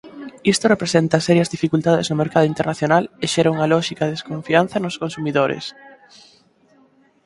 Isto representa serias dificultades no mercado internacional e xera unha lóxica desconfianza nos consumidores.